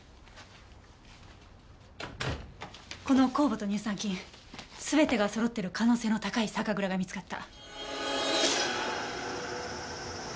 この酵母と乳酸菌全てが揃ってる可能性の高い酒蔵が見つかった。